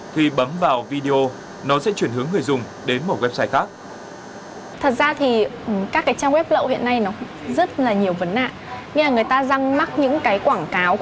khi bấm vào video nó sẽ chuyển hướng người dùng đến một website khác